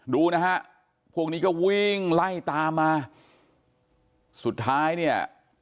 ดูนะฮะพวกนี้ก็วิ่งไล่ตามมาสุดท้ายเนี่ย